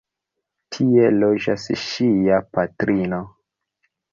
Tie loĝas ŝia patrino.